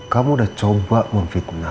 kamu udah coba memfitnah